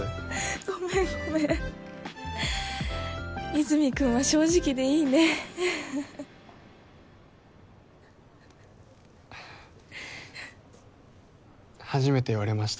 ごめんごめん和泉君は正直でいいね初めて言われました